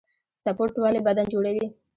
سپورټ ولې بدن جوړوي؟